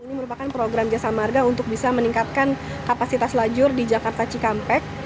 ini merupakan program jasa marga untuk bisa meningkatkan kapasitas lajur di jakarta cikampek